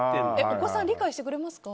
お子さん理解してくれますか？